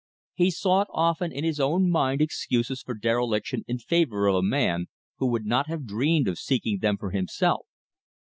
He sought often in his own mind excuses for dereliction in favor of a man who would not have dreamed of seeking them for himself.